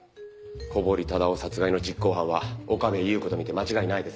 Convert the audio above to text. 小堀忠夫殺害の実行犯は岡部祐子と見て間違いないですね。